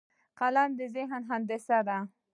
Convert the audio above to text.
قلم د ذهن هندسه ده